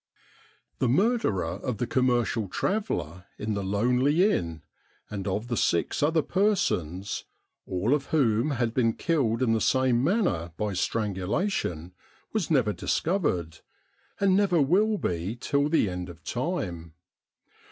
The murderer of the commercial traveller in the lonely inn, and of the six other persons, all of whom had been killed in the same manner by strangulation, was never discovered, and never will be till the end of time.